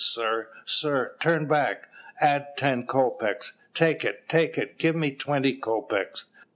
Sir, sir, turn back! Add ten kopeks. Take it, take it! give me twenty kopeks.